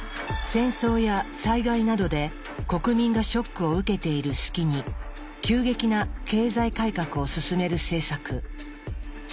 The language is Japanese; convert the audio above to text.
戦争や災害などで国民がショックを受けている隙に急激な経済改革を進める政策「ショック・ドクトリン」。